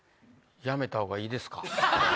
やめたほうがいいです